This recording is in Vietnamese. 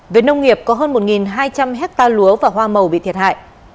về nông nghiệp có hơn một hai trăm linh hectare lúa và hoa màu bị thiệt hại